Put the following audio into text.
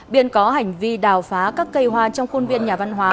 biên có hành vi đào phá các cây hoa trong khuôn viên nhà văn hóa